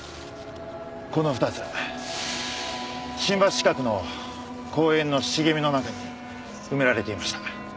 この２つ新橋近くの公園の茂みの中に埋められていました。